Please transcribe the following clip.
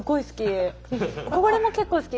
これも結構好き